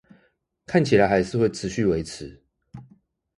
看起來還是會繼續維持